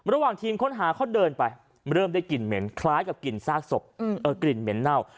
ระหว่างทีมค้นหาเขาเดินไปเริ่มได้กลิ่นเหม็นคล้ายกับกลิ่นซากศพกลิ่นเหม็นเน่า